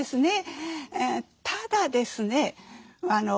ただですね